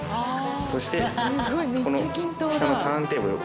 そしてこの下のターンテーブル